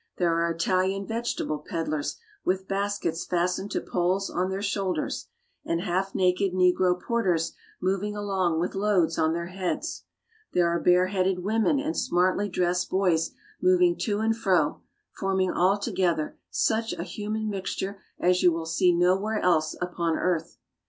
There are Italian vegetable peddlers with baskets fastened to poles on their shoulders, and half naked negro porters moving along with loads on their heads. There are bare headed women and smartly dressed boys moving to and fro, forming all together such a human mixture as you will see nowhere else upon earth.